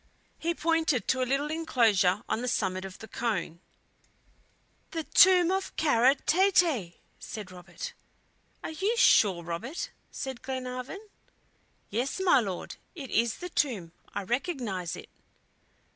He pointed to a little inclosure on the summit of the cone. "The tomb of Kara Tete!" said Robert. "Are you sure, Robert?" said Glenarvan. "Yes, my Lord, it is the tomb; I recognize it."